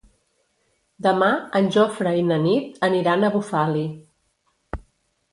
Demà en Jofre i na Nit aniran a Bufali.